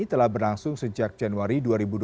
telah berlangsung sejak januari dua ribu dua puluh